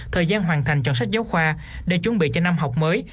thời gian hoàn thành chọn sách giáo khoa để chuẩn bị cho năm học mới